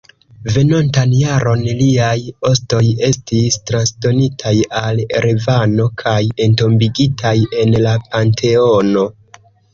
Venontan jaron liaj ostoj estis transdonitaj al Erevano kaj entombigitaj en la Panteono.